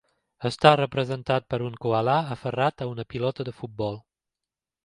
Està representat per un coala aferrat a una pilota de futbol.